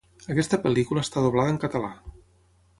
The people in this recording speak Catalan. Aquesta pel·lícula està doblada en català.